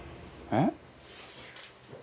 「えっ？」